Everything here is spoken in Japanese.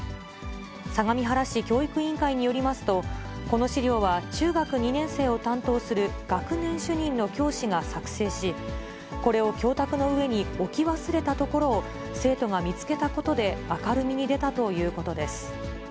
相模原市教育委員会によりますと、この資料は、中学２年生を担当する学年主任の教師が作成し、これを教卓の上に置き忘れたところを、生徒が見つけたことで明るみに出たということです。